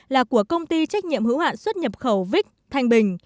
là của công ty trách nhiệm hữu hạn xuất nhập khẩu vích thanh bình